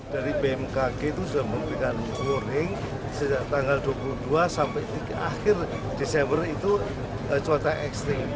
dari bmkg itu sudah memberikan grouring sejak tanggal dua puluh dua sampai akhir desember itu cuaca ekstrim